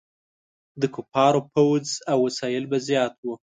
د کفارو فوځ او وسایل به زیات وو.